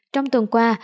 trong tuần qua